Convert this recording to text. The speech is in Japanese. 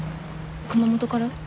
熊本から？